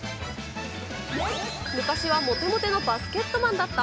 昔はモテモテのバスケットマンだった？